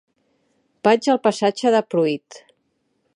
Vaig al passatge de Pruit.